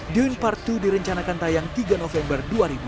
dewi part dua direncanakan tayang tiga november dua ribu dua puluh